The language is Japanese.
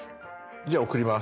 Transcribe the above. じゃあ送ります。